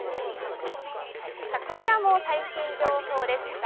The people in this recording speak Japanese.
こちらも最新情報です。